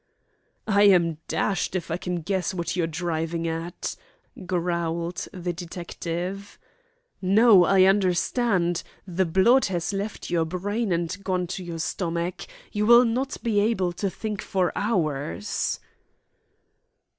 "I'm dashed if I can guess what you're driving at," growled the detective. "No; I understand. The blood has left your brain and gone to your stomach. You will not be able to think for hours."